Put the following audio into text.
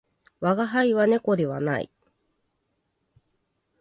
我が輩は猫ではない